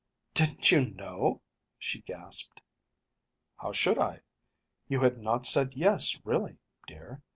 “Didn’t you know?‚ÄĚ she gasped. “How should I? You had not said yes really, dear.